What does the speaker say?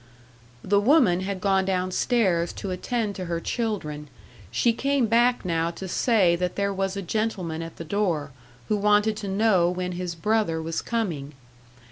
The woman had gone downstairs to attend to her children; she came back now to say that there was a gentleman at the door, who wanted to know when his brother was coming.